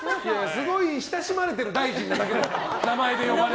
すごい親しまれてる大臣なだけで。